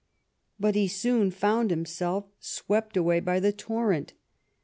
But he soon found himself swept away by the torrent.